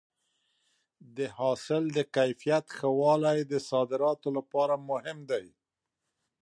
د حاصل د کیفیت ښه والی د صادراتو لپاره مهم دی.